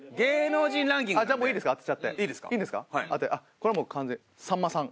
これはもう完全にさんまさん。